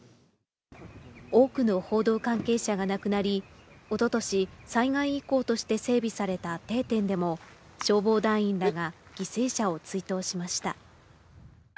多くの報道関係者が亡くなり、おととし、災害遺構として整備された定点でも、消防団員らが犠牲者を追悼しました。